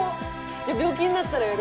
じゃあ病気になったらよろしく。